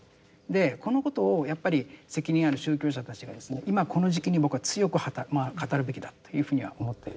でこのことをやっぱり責任ある宗教者たちが今この時期に僕は強く語るべきだというふうには思っているんですけどね。